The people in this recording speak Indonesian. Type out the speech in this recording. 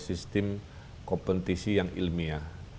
sistem kompetisi yang ilmiah